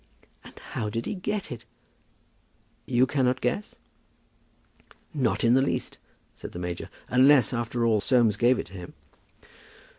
"And how did he get it?" "You cannot guess?" "Not in the least," said the major; "unless, after all, Soames gave it to him."